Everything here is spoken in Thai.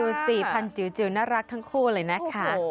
ดูสี่พันจิ๋วน่ารักทั้งคู่เลยนะค่ะ